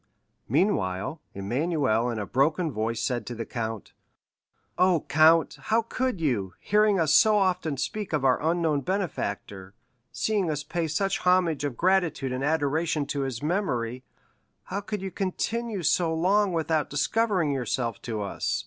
Meanwhile, Emmanuel in a broken voice said to the count: "Oh, count, how could you, hearing us so often speak of our unknown benefactor, seeing us pay such homage of gratitude and adoration to his memory,—how could you continue so long without discovering yourself to us?